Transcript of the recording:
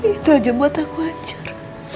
itu aja buat aku hancur